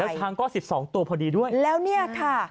แล้วต่างก็๑๒ตัวพอดีด้วย